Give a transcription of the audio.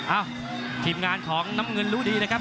เอ้าทีมงานของน้ำเงินรู้ดีนะครับ